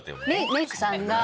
メイクさんが。